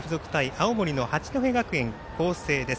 青森の八戸学院光星です。